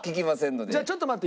じゃあちょっと待って。